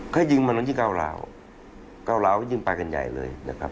ก็ยิงมันต้องยิงก้าวราวก้าวราวก็ยิงปลากันใหญ่เลยนะครับ